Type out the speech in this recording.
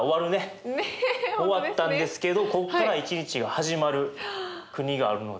終わったんですけどここから一日が始まる国があるので。